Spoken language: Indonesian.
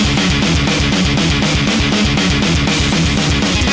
satu lawan satu bukan keroyokan kayak gini